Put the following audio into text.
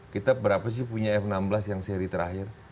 kita berapa sih punya f enam belas yang seri terakhir